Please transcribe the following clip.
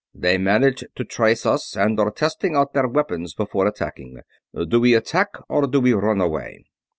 They managed to trace us, and are testing out their weapons before attacking. Do we attack or do we run away?"